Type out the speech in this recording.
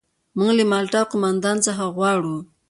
موږ له مالټا قوماندان څخه غواړو.